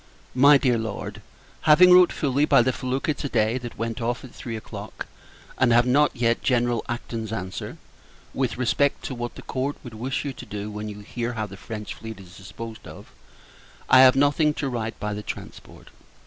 MY DEAR LORD, Having wrote fully by the felucca to day, that went off at three o'clock and have not yet General Acton's answer, with respect to what the Court would wish you to do when you hear how the French fleet is disposed of I have nothing to write by the transport.